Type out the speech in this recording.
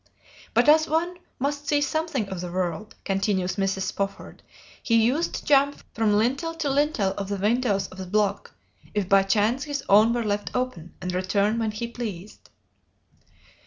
"But as one must see something of the world," continues Mrs. Spofford, "he used to jump from lintel to lintel of the windows of the block, if by chance his own were left open, and return when he pleased."